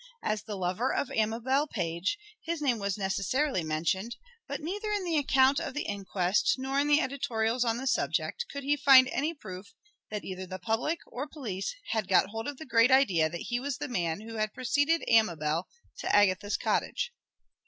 As the lover of Amabel Page, his name was necessarily mentioned, but neither in the account of the inquest nor in the editorials on the subject could he find any proof that either the public or police had got hold of the great idea that he was the man who had preceded Amabel to Agatha's cottage.